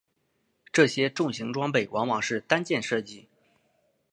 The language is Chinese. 这些重型装备往往是单件设计。